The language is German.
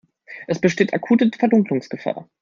Es besteht akute Verdunkelungsgefahr.